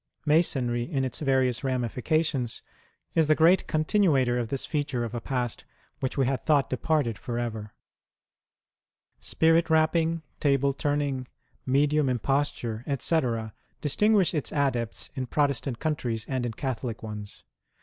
Masonry in its various ramifications is the great continuator of this feature of a past which we had thought departed for ever. Spirit rapping, table turning, medium imposture, etc., dis . tinguish its adepts in Protestant countries and in Catholic ones.